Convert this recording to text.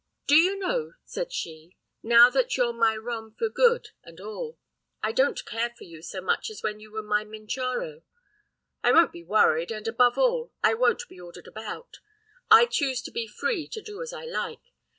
"'Do you know,' said she, 'now that you're my rom for good and all, I don't care for you so much as when you were my minchorro! I won't be worried, and above all, I won't be ordered about. I choose to be free to do as I like.